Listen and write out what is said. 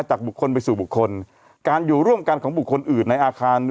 จากบุคคลไปสู่บุคคลการอยู่ร่วมกันของบุคคลอื่นในอาคาร